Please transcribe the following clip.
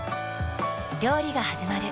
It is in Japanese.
料理がはじまる。